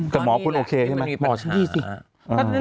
แต่หมอคุณโอเคใช่ไหม